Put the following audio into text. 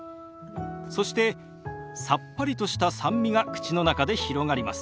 そしてさっぱりとした酸味が口の中で広がります。